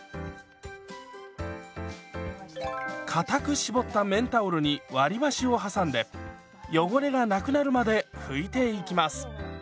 かたく絞った綿タオルに割り箸を挟んで汚れがなくなるまで拭いていきます。